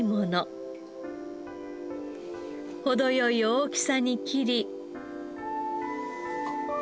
程良い大きさに切り。